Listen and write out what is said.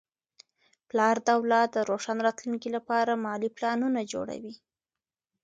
پلار د اولاد د روښانه راتلونکي لپاره مالي پلانونه جوړوي.